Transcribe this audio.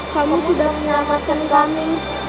kamu sudah menyelamatkan kami